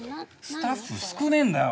スタッフ少ねえんだよ。